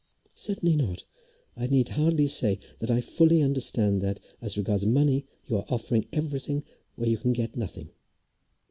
"Certainly not. I need hardly say that I fully understand that, as regards money, you are offering everything where you can get nothing."